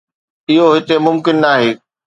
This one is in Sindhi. اهو هتي ممڪن ناهي.